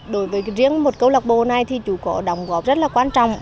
đối với riêng một câu lạc bộ này thì chủ có đóng góp rất là quan trọng